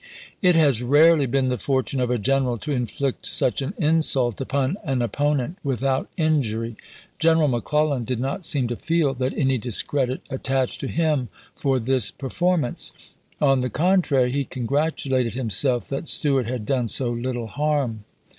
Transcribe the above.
It has rarely been the fortune of a general to inflict such an insult upon an oppo nent without injury. General McClellan did not seem to feel that any discredit attached to him for this x>6i'formance. On the contrary he con gratulated himself that Stuart had done so little harm.